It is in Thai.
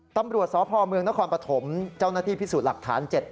ตำรวจสพเมืองนครปฐมเจ้าหน้าที่พิสูจน์หลักฐาน๗